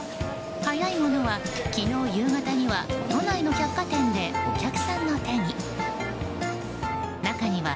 早いものは昨日夕方には都内の百貨店でお客さんの手に。